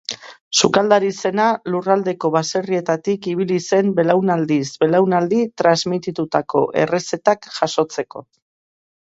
Sukaldari zena lurraldeko baserrietatik ibili zen belaunaldiz belaunaldi transmititutako errezetak jasotzeko.